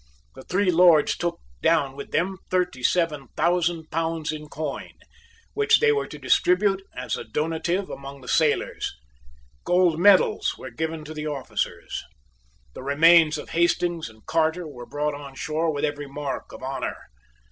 The three Lords took down with them thirty seven thousand pounds in coin, which they were to distribute as a donative among the sailors. Gold medals were given to the officers. The remains of Hastings and Carter were brought on shore with every mark of honour.